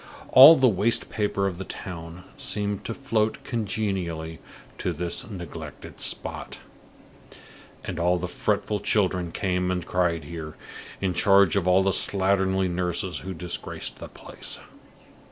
All the waste paper of the town seemed to float congenially to this neglected spot; and all the fretful children came and cried here, in charge of all the slatternly nurses who disgraced the place.